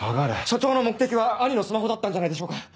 署長の目的は兄のスマホだったんじゃないでしょうか？